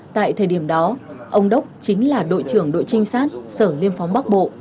tại thời điểm đó ông đốc chính là đội trưởng đội trinh sát sở liêm phóng bắc bộ